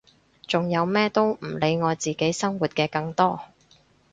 仲有咩都唔理愛自己生活嘅更多！